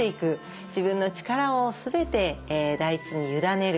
自分の力を全て大地に委ねる。